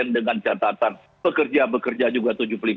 dengan catatan pekerja pekerja juga tujuh puluh lima